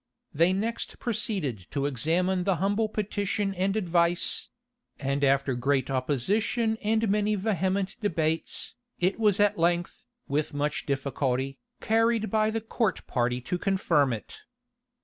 They next proceeded to examine the humble petition and advice; and after great opposition and many vehement debates, it was at length, with much difficulty, carried by the court party to confirm it.